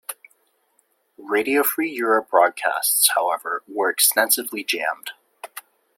Radio Free Europe broadcasts, however, were extensively jammed.